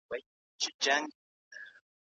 استاد شاګردانو ته د علمي غلا د زیانونو خبرداری ورکړ.